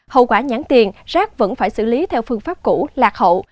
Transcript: hậu quả nhãn tiền rác vẫn phải xử lý theo phương pháp cũ lạc hậu